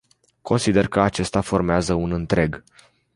Consider că acesta formează un întreg.